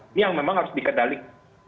ini yang memang harus dikendalikan